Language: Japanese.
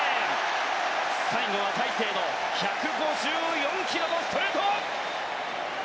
最後は大勢の１５４ｋｍのストレート！